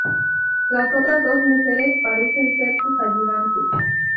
Las otras dos mujeres parecen ser sus ayudantes.